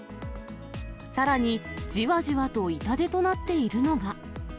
さらに、じわじわと痛手となっているのが。